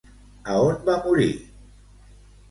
A on va morir?